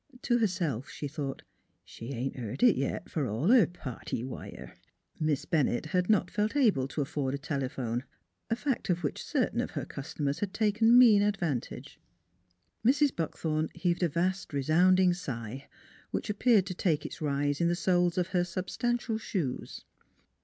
To herself she thought: " She ain't beared it yit, f'r all her party wire." Miss Bennett had not felt able to afford a tele phone, a fact of which certain of her customers had taken mean advantage. Mrs. Buckthorn heaved a vast, resounding sigh, which appeared to take its rise in the soles of her substantial shoes.